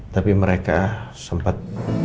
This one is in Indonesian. tapi mereka sempat